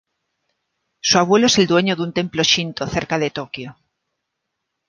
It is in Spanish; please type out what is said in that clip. Su abuelo es el dueño de un templo Shinto, cerca de Tokio.